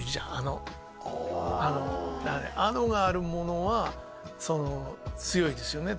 「あの」があるものは強いですよね